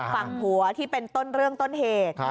ฝั่งผัวที่เป็นต้นเรื่องต้นเหตุ